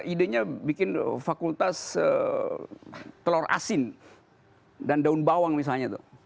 idenya bikin fakultas telur asin dan daun bawang misalnya